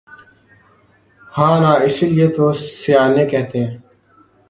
ہاں نا اسی لئے تو سیانے کہتے ہیں